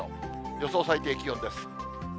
予想最低気温です。